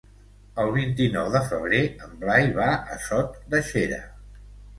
El vint-i-nou de febrer en Blai va a Sot de Xera.